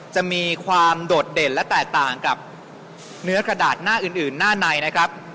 จะมีความโดดเด่นและแตกต่างกับเนื้อกระดาษหน้าอื่นหน้าในนะครับ